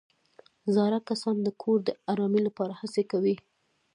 زاړه کسان د کور د ارامۍ لپاره هڅې کوي